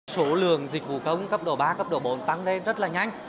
số lượng dịch vụ công cấp độ ba cấp độ bốn tăng lên rất là nhanh